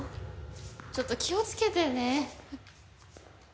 ちょっと気をつけてね。